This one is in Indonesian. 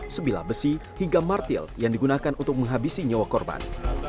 sebilah besi hingga martil yang digunakan untuk menghabisi nyawa korban